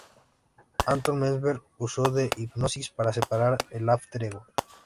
Anton Mesmer usó la hipnosis para separar el "alter ego".